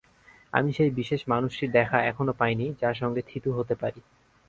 আমি সেই বিশেষ মানুষটির দেখা এখনো পাইনি, যাঁর সঙ্গে থিতু হতে পারি।